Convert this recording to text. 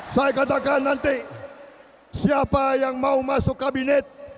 saya katakan nanti siapa yang mau masuk kabinet